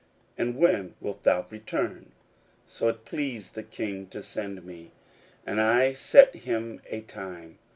and when wilt thou return? So it pleased the king to send me; and I set him a time.